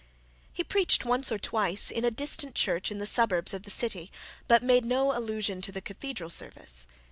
He preached once or twice in a distant church in the suburbs of the city, but made no allusion to the cathedral service.